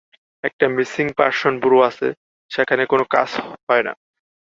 একটা missing person bureau আছে, সেখানে কোনো কাজ হয় না।